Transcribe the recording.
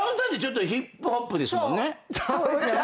そうですよね。